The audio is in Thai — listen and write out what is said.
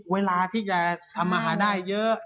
เวลาที่จะทำอาหารได้เยอะ